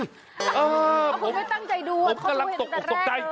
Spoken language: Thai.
เออเนี่ยผมรู้เห็นจากแรกเลยผมก็รับตกใจ